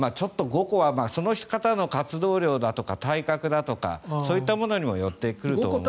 ５個はその人の活動量とか体格とかそういったものにもよってくると思います。